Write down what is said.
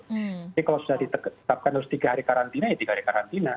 jadi kalau sudah ditetapkan terus tiga hari karantina ya tiga hari karantina